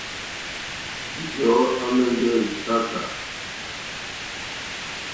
Njɔ̀ɔ́ à mɛ̀ndɛ́ wékàkà.